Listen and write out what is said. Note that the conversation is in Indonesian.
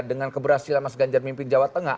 dengan keberhasilan mas ganjar memimpin jawa tengah